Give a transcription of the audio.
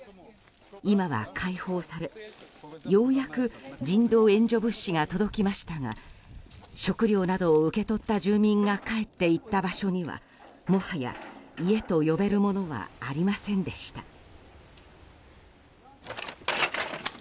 今は解放され、ようやく人道援助物資が届きましたが食料などを受け取った住民が帰っていった場所にはもはや家と呼べるものはありませんでした。